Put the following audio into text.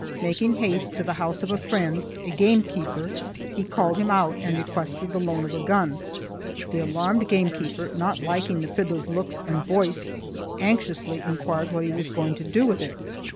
Making haste to the house of a friend, a gamekeeper, he called him out, and requested the loan of a gun. The alarmed gamekeeper, not liking the fiddler's looks and voice, anxiously inquired what he was going to do with it.